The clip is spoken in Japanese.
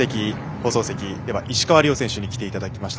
放送席石川遼選手に来ていただきました。